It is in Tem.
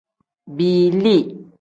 Biili.